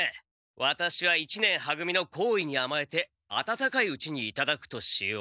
ワタシは一年は組の好意にあまえて温かいうちにいただくとしよう。